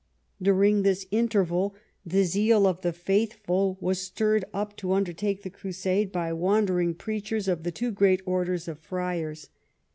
During this interval the zeal of the faithful was stirred up to undertake the Crusade by wandering preachers of the two great orders of friars.